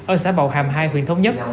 ở xã bảo hàm hai huyện thống nhất